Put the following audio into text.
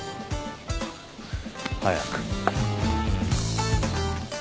早く。